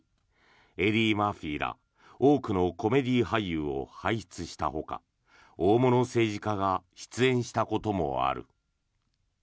エディ・マーフィーら多くのコメディー俳優を輩出したほか大物政治家が出演したこともある。